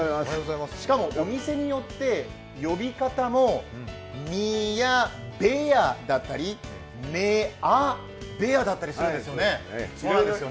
しかもお店によって呼び方も、ミヤベヤだったり、メアベアだったりするんですよね。